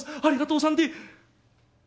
ありがとうさんで。